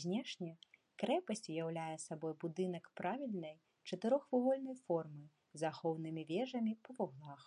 Знешне крэпасць уяўляе сабой будынак правільнай чатырохвугольнай формы з ахоўнымі вежамі па вуглах.